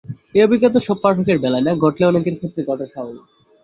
এ অভিজ্ঞতা সব পাঠকের বেলায় না ঘটলেও অনেকের ক্ষেত্রেই ঘটা স্বাভাবিক।